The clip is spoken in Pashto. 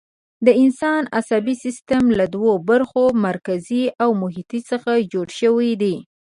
د انسان عصبي سیستم له دوو برخو، مرکزي او محیطي څخه جوړ شوی دی.